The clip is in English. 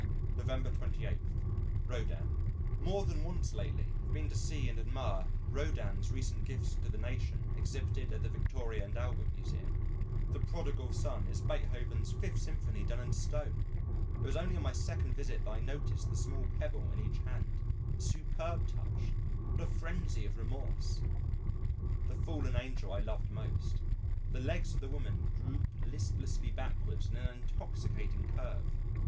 November 28. Rodin More than once lately have been to see and admire Rodin's recent gifts to the nation exhibited at the Victoria and Albert Museum. The "Prodigal Son" is Beethoven's Fifth Symphony done in stone. It was only on my second visit that I noticed the small pebble in each hand a superb touch! what a frenzy of remorse! The "Fallen Angel" I loved most. The legs of the woman droop lifelessly backwards in an intoxicating curve.